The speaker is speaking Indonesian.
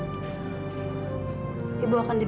masih selalu sama ma sama dia